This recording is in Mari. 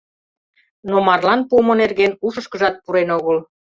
Но марлан пуымо нерген ушышкыжат пурен огыл.